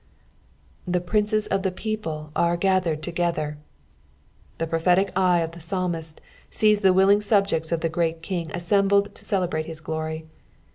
8, " The prinoei of tht people are gathered toffether.'* The prophetic ere of the psalmist sees the willing subjects of the great King assembled to celebrate his glory.